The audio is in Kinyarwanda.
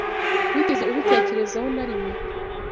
Wigeze ubitekerezaho narimwe?